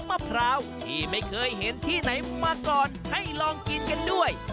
มะพร้าวที่ไม่เคยเห็นที่ไหนมาก่อนให้ลองกินกันด้วย